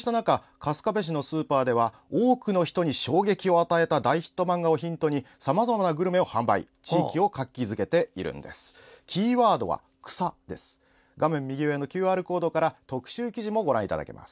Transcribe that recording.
春日部市のスーパーでは多くの人に衝撃を与えた大ヒット漫画にヒントにさまざまなグルメを販売して地域を活気づけています。